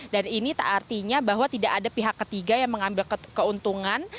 dan ini artinya bahwa tidak ada pihak ketiga yang mengambil keuntungan